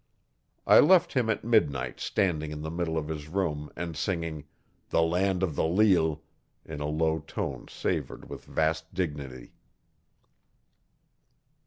I left him at midnight standing in the middle of his room and singing 'The Land o' the Leal' in a low tone savoured with vast dignity.